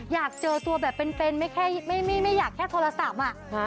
อยากเจอตัวแบบเป็นไม่อยากแค่โทรศัพท์